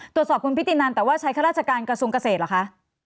ตรวจสอบคุณพิตินันแต่ว่าใช้ข้าราชการกระทรวงเกษตรเหรอคะ